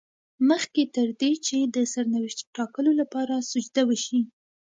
مخکې تر دې چې د سرنوشت ټاکلو لپاره سجده وشي.